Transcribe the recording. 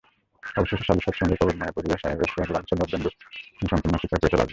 অবশেষে শ্যালীসংসর্গের প্রবল মোহে পড়িয়া সাহেবের সোহাগলালসা নবেন্দু সম্পূর্ণ অস্বীকার করিতে লাগিল।